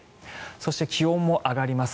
そして、気温も上がります。